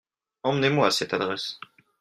Emmenez-moi à cette adresse.